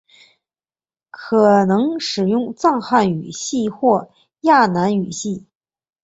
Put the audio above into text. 可能使用汉藏语系或南亚语系。